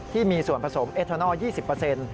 ที่มีส่วนผสมเอทานอล๒๐